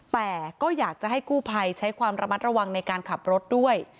แต่ก็อยากจะให้กู้ภัยใช้ความระมัดระวังในการขับรถด้วย